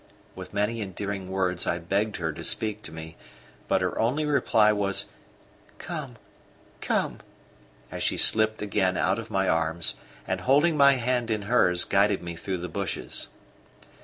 With many endearing words I begged her to speak to me; but her only reply was: "Come come," as she slipped again out of my arms and, holding my hand in hers, guided me through the bushes.